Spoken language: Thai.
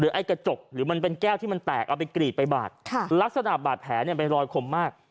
ไอ้กระจกหรือมันเป็นแก้วที่มันแตกเอาไปกรีดไปบาดค่ะลักษณะบาดแผลเนี่ยเป็นรอยคมมาก